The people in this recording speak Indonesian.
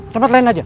tempat lain aja